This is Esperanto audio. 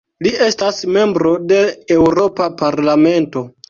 Li estas membro de Eŭropa parlamento.